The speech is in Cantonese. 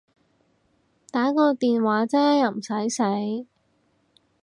打個電話啫又唔駛死